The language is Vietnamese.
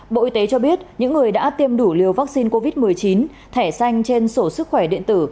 bộ y tế cho biết những người đã tiêm đủ liều vaccine covid một mươi chín thẻ xanh trên sổ sức khỏe điện tử